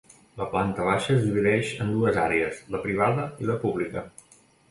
La planta baixa es divideix en dues àrees: la privada i la pública.